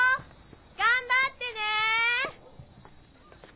頑張ってね！